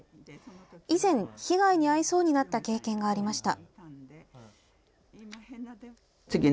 以前、被害に遭いそうになった経験がありました。